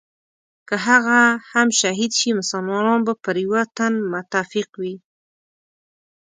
که هغه هم شهید شي مسلمانان به پر یوه تن متفق وي.